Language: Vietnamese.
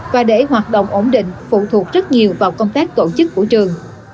và để hoạt động ổn định phụ thuộc rất nhiều vào công tác tổ chức của trường